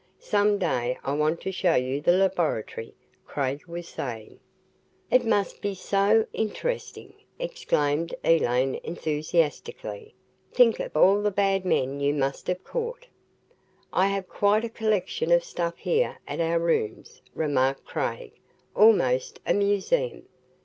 "Some day I want to show you the laboratory," Craig was saying. "It must be so interesting!" exclaimed Elaine enthusiastically. "Think of all the bad men you must have caught!" "I have quite a collection of stuff here at our rooms," remarked Craig, "almost a museum.